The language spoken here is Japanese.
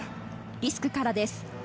リスクからです。